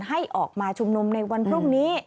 ให้ออกมาชุมนุมในวันพรุ่งนี้